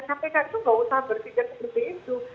kpk itu tidak usah berpijak seperti itu